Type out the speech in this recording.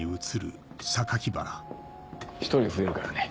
１人増えるからね。